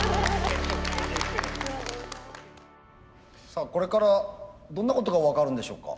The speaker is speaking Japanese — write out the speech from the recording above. さあこれからどんなことが分かるんでしょうか。